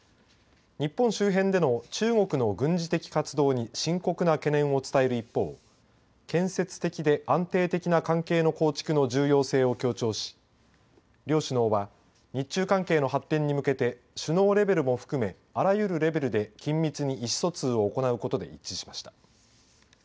日本周辺での中国の軍事的活動に深刻な懸念を伝える一方建設的で安定的な関係の構築の重要性を強調し両首脳は日中関係の発展に向けて首脳レベルも含めあらゆるレベルで緊密に意思疎通を行うことで一致しました。